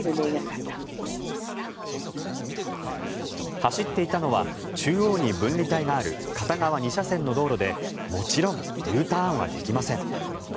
走っていたのは中央に分離帯がある片側２車線の道路でもちろんＵターンはできません。